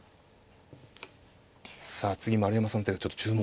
さあ次丸山さんの手がちょっと注目ですね。